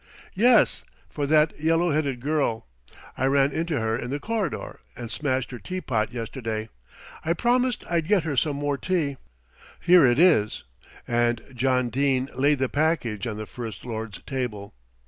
"Yes, for that yellow headed girl. I ran into her in the corridor and smashed her teapot yesterday. I promised I'd get her some more tea. Here it is;" and John Dene laid the package on the First Lord's table.